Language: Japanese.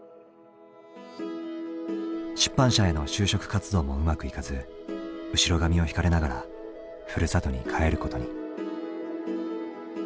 出版社への就職活動もうまくいかず後ろ髪を引かれながらふるさとに帰ることに。